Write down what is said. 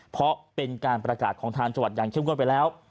เพราะเป็นประกาศของทางจับหวัดยังเคลั่งกว้างไปแล้ว